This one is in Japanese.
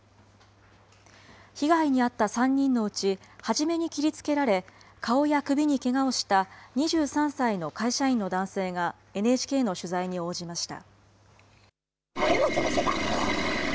被害に遭った３人のうち、初めに切りつけられ、顔や首にけがをした２３歳の会社員の男性が、ＮＨＫの取材に応じました。